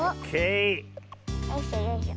よいしょよいしょ。